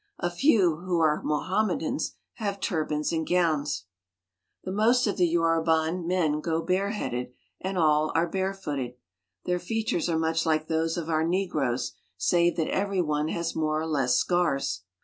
A few who are Mohammedans have turbans and gowns. The most of the Yoruban men go bareheaded and all are barefooted. Their features are much like those of our negroes, save that every one has more or less scars.